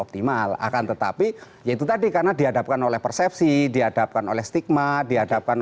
tidak akan terjadi